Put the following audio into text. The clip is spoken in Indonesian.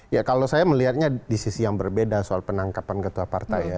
ya kalau saya melihatnya di sisi yang berbeda soal penangkapan ketua partai ya